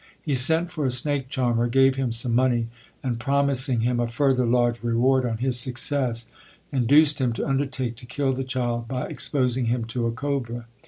He sent for a snake charmer, gave him some money, and promising him a further large reward on his success, induced him to undertake to kill the child by exposing him to a cobra.